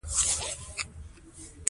مرسته کوي.